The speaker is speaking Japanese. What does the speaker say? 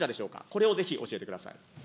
これをぜひ教えてください。